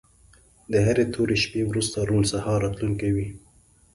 د هرې تورې شپې وروسته روڼ سهار راتلونکی وي.